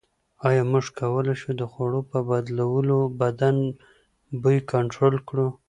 ایا موږ کولای شو د خوړو په بدلولو بدن بوی کنټرول کړو؟